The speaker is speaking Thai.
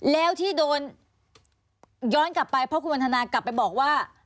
แล้วที่โดนย้อนกลับไปเพราะคุณวันทนากลับไปบอกว่า